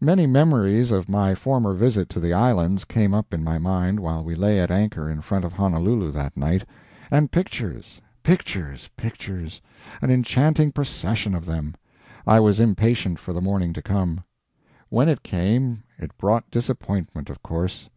Many memories of my former visit to the islands came up in my mind while we lay at anchor in front of Honolulu that night. And pictures pictures pictures an enchanting procession of them! I was impatient for the morning to come. When it came it brought disappointment, of course.